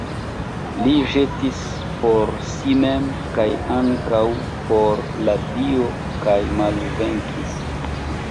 Li ĵetis por si mem kaj ankaŭ por la dio kaj malvenkis.